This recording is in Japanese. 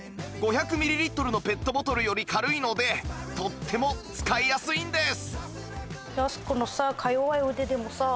５００ミリリットルのペットボトルより軽いのでとっても使いやすいんです！